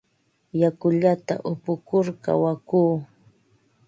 Yakullata upukur kawakuu.